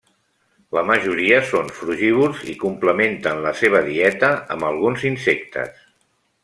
La majoria són frugívors i complementen la seva dieta amb alguns insectes.